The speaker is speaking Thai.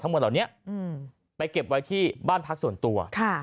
ทั้งหมดเหล่านี้อืมไปเก็บไว้ที่บ้านพรรคส่วนตัวค่ะ